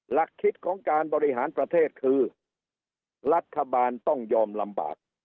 หลักคิดของการบริหารประเทศคือรัฐบาลต้องยอมลำบาก